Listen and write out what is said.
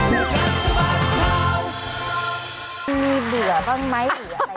มีเบื่อบ้างไหมหรืออะไรบ้างไหม